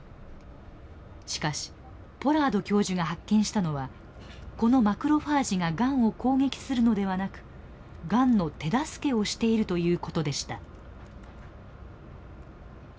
しかしポラード教授が発見したのはこのマクロファージががんを攻撃するのではなくがんの手助けをしているということでした。